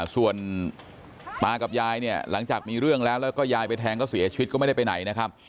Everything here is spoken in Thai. ส่วนตากับยายเนี่ยหลังจากมีเรื่องแล้วแล้วก็ยายไปแทงก็เสียชีวิตก็ไม่ได้ไปไหนนะครับ